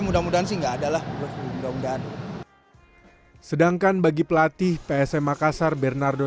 mudah mudahan sih enggak adalah sedangkan bagi pelatih psm makassar bernardo